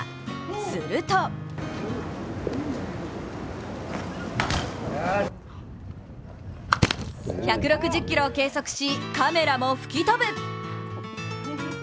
すると１６０キロを計測し、カメラも吹き飛ぶ。